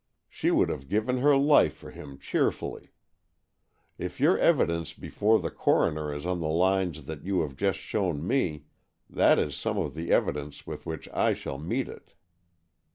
She would have given her life for him cheerfully. If your evidence before the coroner is on the lines that you have just shown me, that is some of the evidence with which I shall meet it.